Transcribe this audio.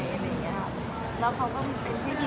เรื่องข้าพูดไว้ตอนนี้